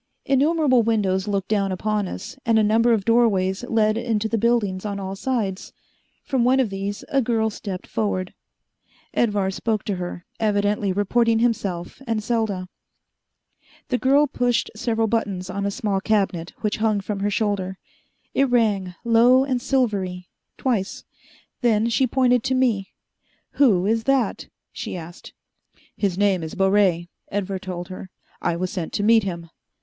Innumerable windows looked down upon us, and a number of doorways led into the building on all sides. From one of these a girl stepped forward. Edvar spoke to her, evidently reporting himself and Selda. The girl pushed several buttons on a small cabinet which hung from her shoulder. It rang, low and silvery, twice. Then she pointed to me. "Who is that?" she asked. "His name is Baret," Edvar told her. "I was sent to meet him."